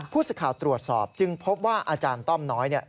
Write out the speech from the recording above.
ผู้สิทธิ์ข่าวตรวจสอบจึงพบว่าอาจารย์ต้อมน้อย